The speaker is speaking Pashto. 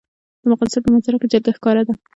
د افغانستان په منظره کې جلګه ښکاره ده.